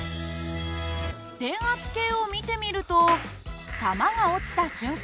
電圧計を見てみると玉が落ちた瞬間